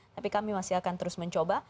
tapi kami masih akan terus mencoba